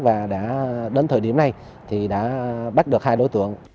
và đến thời điểm này đã bắt được hai đối tượng